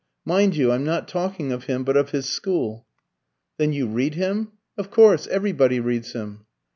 Mind you, I'm not talking of him, but of his school." "Then you read him? Of course everybody reads him."